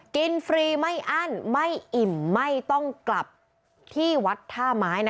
ฟรีไม่อั้นไม่อิ่มไม่ต้องกลับที่วัดท่าไม้